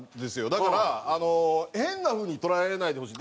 だからあの変な風に捉えないでほしい。